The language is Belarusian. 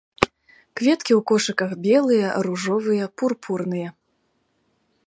Кветкі ў кошыках белыя, ружовыя, пурпурныя.